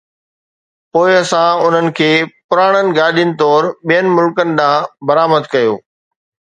پوءِ اسان انهن کي پراڻن گاڏين طور ٻين ملڪن ڏانهن برآمد ڪيو